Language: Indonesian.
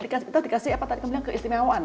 kita dikasih apa tadi kamu bilang keistimewaan